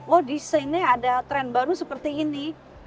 oh di sini ada tren baru seperti ini